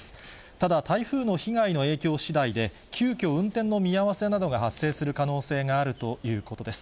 ただ、台風の被害の影響しだいで、急きょ、運転の見合わせなどが発生する可能性があるということです。